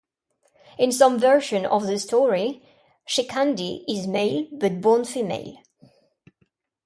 In some versions of the story, Shikhandi is male but born-female.